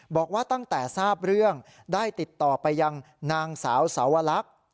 บอกว่าตั้งแต่ทราบเรื่องได้ติดต่อไปยังนางสาวสาวลักษณ์